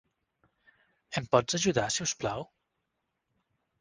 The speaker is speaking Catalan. Em pots ajudar, si us plau?